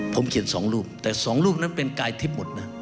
ผมเขียน๒รูปแต่๒รูปนั้นเป็นกายทิพย์หมดนะ